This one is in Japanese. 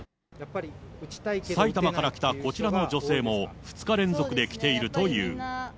埼玉から来たこちらの女性も、２日連続で来ているという。